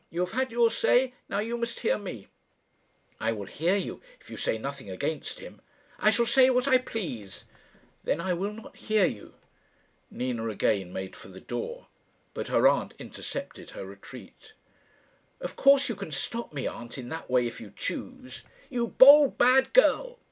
You have had your say; now you must hear me." "I will hear you if you say nothing against him." "I shall say what I please." "Then I will not hear you." Nina again made for the door, but her aunt intercepted her retreat. "Of course you can stop me, aunt, in that way if you choose." "You bold, bad girl!"